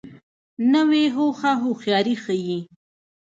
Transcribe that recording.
نوې هوښه هوښیاري ښیي